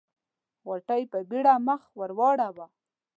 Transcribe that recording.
غوټۍ په بيړه مخ ور واړاوه.